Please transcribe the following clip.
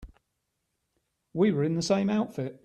We were in the same outfit.